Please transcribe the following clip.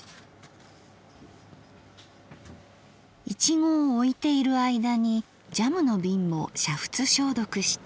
苺をおいている間にジャムの瓶も煮沸消毒して。